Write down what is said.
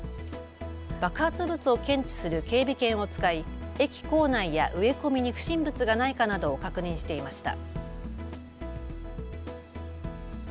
爆発物を検知する警備犬を使い駅構内や植え込みに不審物がないかなどを確認していました。